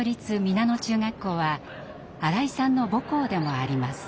皆野中学校は新井さんの母校でもあります。